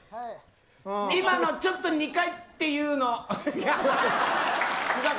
今のちょっと２回っていうの。